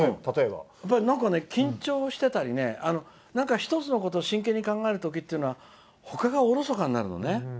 緊張してたりね一つのことを真剣に考えるときっていうのはほかが、おろそかになるのね。